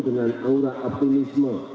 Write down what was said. dengan aura optimisme